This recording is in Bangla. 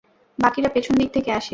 বাকিরা পেছন দিক থেকে আসে।